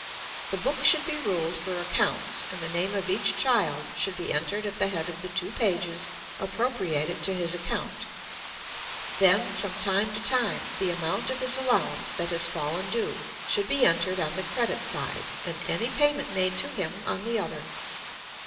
The book should be ruled for accounts, and the name of each child should be entered at the head of the two pages appropriated to his account. Then, from time to time, the amount of his allowance that has fallen due should be entered on the credit side, and any payment made to him on the other.